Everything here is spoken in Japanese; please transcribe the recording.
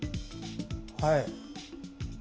はい。